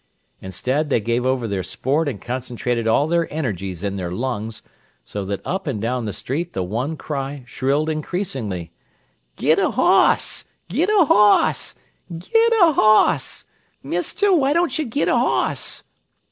Instead, they gave over their sport and concentrated all their energies in their lungs, so that up and down the street the one cry shrilled increasingly: "Git a hoss! Git a hoss! Git a hoss! Mister, why don't you git a hoss?"